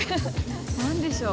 何でしょう？